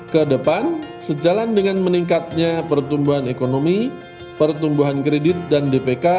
kedepan sejalan dengan meningkatnya pertumbuhan ekonomi pertumbuhan kredit dan dpk